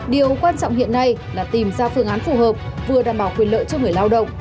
điều quan trọng hiện nay là tìm ra phương án phù hợp vừa đảm bảo quyền lợi cho người lao động